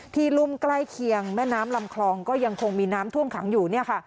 รุ่มใกล้เคียงแม่น้ำลำคลองก็ยังคงมีน้ำท่วมขังอยู่เนี่ยค่ะ